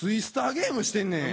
ゲームしてんねん。